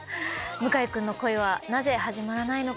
向井君の恋はなぜ始まらないのか？